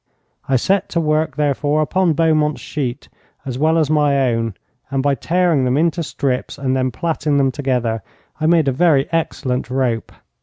I set to work therefore upon Beaumont's sheet as well as my own, and by tearing them into strips and then plaiting them together, I made a very excellent rope.